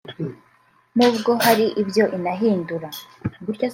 n’ubwo hari ibyo inahindura